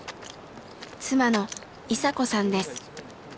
妻の伊佐子さんです。